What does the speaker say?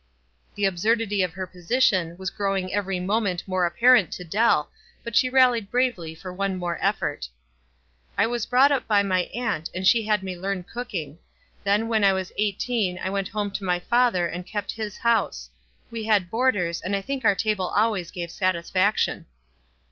The absurdity of her position was growing every moment more apparent to Dell, but she rallied bravely for one more effort. n I was brought up by my aunt, and she had me learn cooking. Then when I was eighteen I went home to my father and kept his house. We had boarders, and I think our table always gave satisfaction."